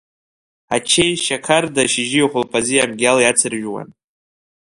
Ачеи шьақарда шьыжьи хәылԥази амгьал иацыржәуан.